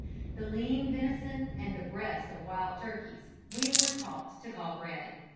The lean venison and the breast of wild turkeys, we were taught to call bread.